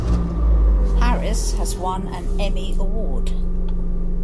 Harris has won an Emmy Award.